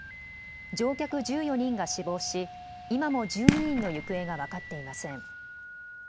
乗客１４人が死亡し今も１２人の行方が分かっていません。